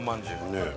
ねえ。